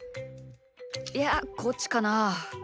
いやこっちかなあ？